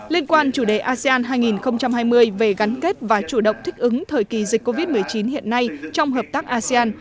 liên quan chủ đề asean hai nghìn hai mươi về gắn kết và chủ động thích ứng thời kỳ dịch covid một mươi chín hiện nay trong hợp tác asean